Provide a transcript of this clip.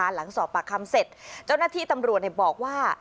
หลังสอบปากคำเสร็จเจ้าหน้าที่ตำรวจบอกว่า